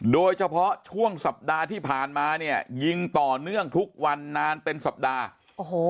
โดยเฉพาะช่วงสัปดาห์ที่ผ่านมาเนี่ยยิงต่อเนื่องทุกวันนานเป็นสัปดาห์โอ้โห